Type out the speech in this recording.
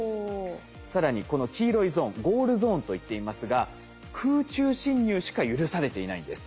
更にこの黄色いゾーンゴールゾーンと言っていますが空中侵入しか許されていないんです。